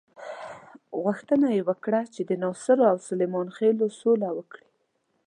غوښتنه یې وه چې د ناصرو او سلیمان خېلو سوله وکړي.